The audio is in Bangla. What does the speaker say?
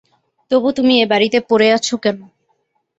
তবু তুমি এ-বাড়িতে পড়ে আছ কেন?